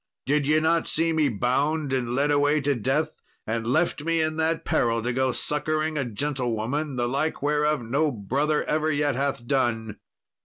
Did ye not see me bound and led away to death, and left me in that peril to go succouring a gentlewoman, the like whereof no brother ever yet hath done?